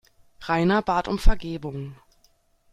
Rainer bat um Vergebung.